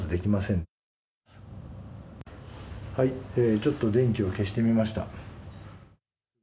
ちょっと電気を消してみました。